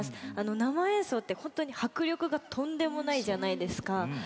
生演奏って本当に迫力がとんでもないじゃないですか。